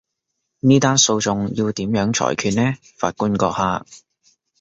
呢單訴訟要點樣裁決呢，法官閣下？